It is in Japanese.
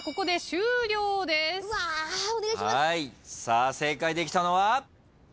さあ正解できたのは？